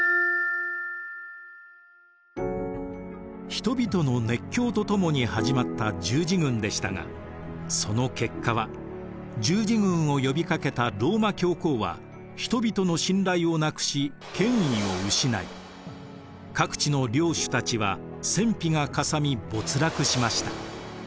人々の熱狂とともに始まった十字軍でしたがその結果は十字軍を呼びかけたローマ教皇は人々の信頼をなくし権威を失い各地の領主たちは戦費がかさみ没落しました。